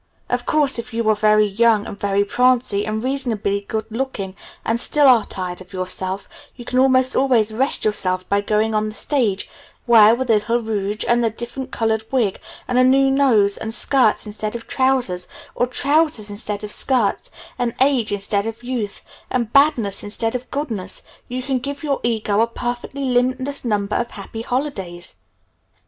Of course if you are very young and very prancy and reasonably good looking, and still are tired of yourself, you can almost always rest yourself by going on the stage where with a little rouge and a different colored wig, and a new nose, and skirts instead of trousers, or trousers instead of skirts, and age instead of youth, and badness instead of goodness you can give your ego a perfectly limitless number of happy holidays.